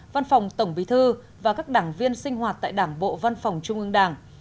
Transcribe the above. văn phòng tổng bí thư và các đảng viên sinh hoạt tại đảng bộ văn phòng trung ương đảng